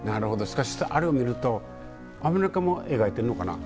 しかしあれを見るとアメリカも描いてるのかな？